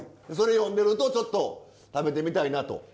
それ読んでるとちょっと食べてみたいなと。